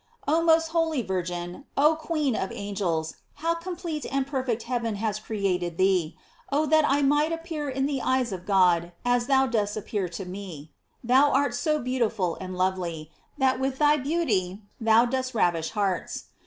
OH most holy Virgin Mary ! oh queen of an gels! how complete and perfect heaven has creat ed thee ! Oh, that I might appear in the eyes of God, as thou dost appear to me ! Thou art so beautiful and lovely, that with thy beauty thou dost ravish hearts.